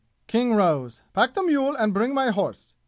King rose. "Pack the mule and bring my horse!"